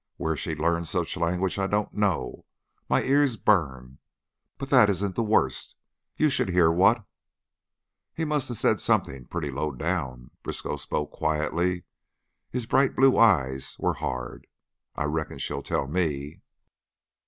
Where she learned such language I don't know. My ears burn! But that isn't the worst; you should hear what " "He must of said something pretty low down." Briskow spoke quietly; his bright blue eyes were hard. "I reckon she'll tell me."